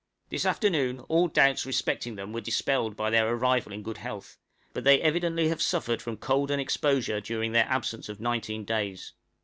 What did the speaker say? This afternoon all doubts respecting them were dispelled by their arrival in good health, but they evidently have suffered from cold and exposure during their absence of nineteen days.